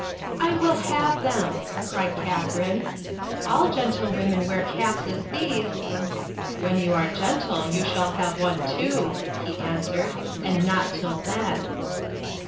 "I will have them," cried Katharine. "All gentlewomen wear such caps as these —" "When you are gentle you shall have one too," he answered, "and not till then."